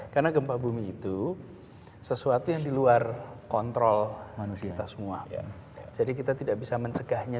karena gempa bumi itu sesuatu yang diluar kontrol manusia semua jadi kita tidak bisa mencegahnya